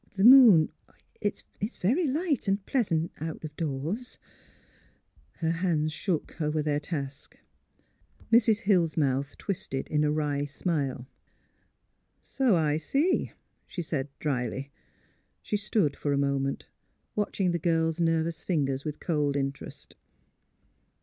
" The — moon It is very light and pleasant out of doors." Her hands shook over their task. Mrs. Hill's mouth twisted in a wry smile. *' So I see," she said, dryly. She stood for a moment, watching the girl 's nervous fingers with cold interest.